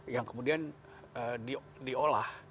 yang kemudian diolah